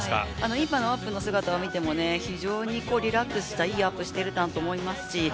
今のアップの姿を見ても非常にリラックスしたいいアップをしていると思います。